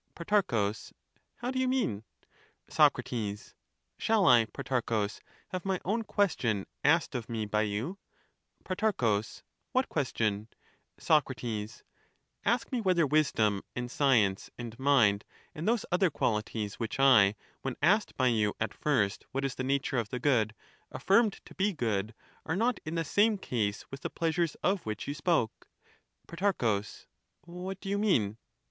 Pro, How do you mean ? Soc, Shall I, Protarchus, have my own question asked of me by you ? Pro, What question ? Soc, Ask me whether wisdom and science and mind, and those other qualities which I, when asked by you at first what is the nature of the good, affirmed to be good, are not in the same case with the pleasures of which you spoke. Pro, What do you mean